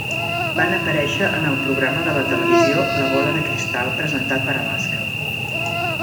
Van aparèixer en el programa de la televisió La Bola de Cristal presentat per Alaska.